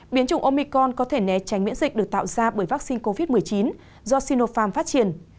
biến chủng omicon có thể né tránh miễn dịch được tạo ra bởi vaccine covid một mươi chín do sinopharm phát triển